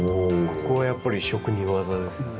ここはやっぱり職人技ですよね。